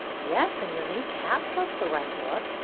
'' Yes, and your new cap has the right look.